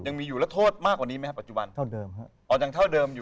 ยังมีอยู่แล้วโทษมากกว่านี้ไหมครับปัจจุบันเท่าเดิมฮะอ๋อยังเท่าเดิมอยู่